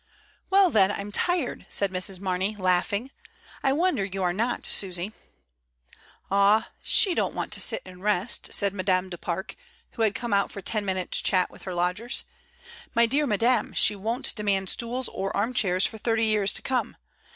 "Well, then, Fm tired," said Mrs. Mamey, laugh ing. "I wonder you are not, Susy." "Ah, she don't want to sit and rest," said Madame du Pare, who had come out for ten minutes' chat with her lodgers. "My dear madame, she won't demand stools or arm chairs for thirty years to come.